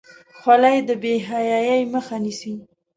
خولۍ د بې حیايۍ مخه نیسي.